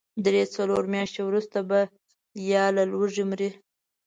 درې، څلور مياشتې وروسته به يا له لوږې مري.